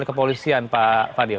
kepolisian pak fadil